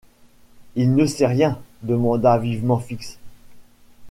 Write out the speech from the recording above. Il ne sait rien?... demanda vivement Fix.